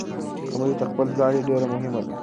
قمري ته خپله ځالۍ ډېره مهمه ده.